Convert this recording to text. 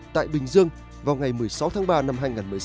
tại bình dương vào ngày một mươi sáu tháng ba năm hai nghìn một mươi sáu